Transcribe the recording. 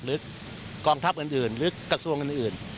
หรือกองทัพอื่นหรือกระทรวงอื่น